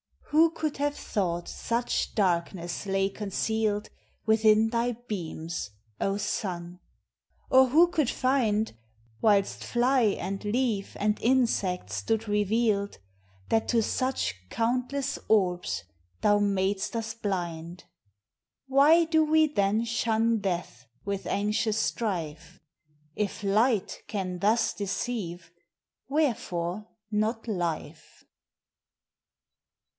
Who could have thought such darkness lay con cealed Within thy beams, O Sun ! or who could find, Whilst fly and leaf and insect stood revealed, That to such countless orbs thou mad'st us blind! Why do we then shun death with anxious strife ! If light can thus deceive, wherefore not life?